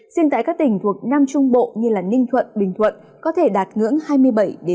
riêng tại các tỉnh thuộc nam trung bộ như ninh thuận bình thuận có thể đạt ngưỡng hai mươi bảy hai mươi chín độ